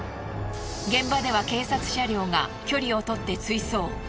現場では警察車両が距離をとって追走。